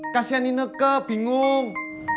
kasian ini neke bingung